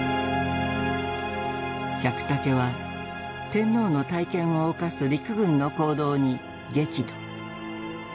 百武は天皇の大権を犯す陸軍の行動に激怒。